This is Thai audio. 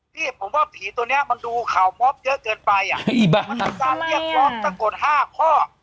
พี่ผมว่าผีตัวเนี้ยมันดูข่าวมอบเยอะเกินไปอ่ะไอ้บ้ามันก็จะเรียกร้องสักกว่าห้าข้อ